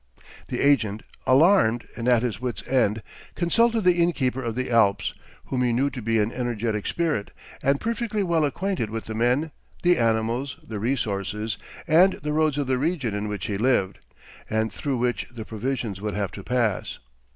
The agent, alarmed, and at his wits' end, consulted the innkeeper of the Alps, whom he knew to be an energetic spirit, and perfectly well acquainted with the men, the animals, the resources, and the roads of the region in which he lived, and through which the provisions would have to pass.